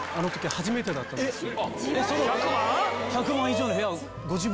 初めてだったんですよ